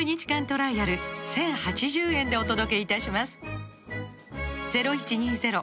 トライアル１０８０円でお届けいたします